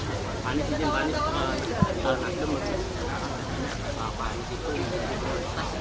apaan itu yang bisa kita lakukan apaan yang kita lakukan apaan yang kita lakukan apaan yang kita lakukan